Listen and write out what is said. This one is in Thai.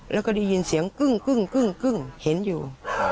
แล้วก็ได้ยินเสียงกึ้งเห็นอยู่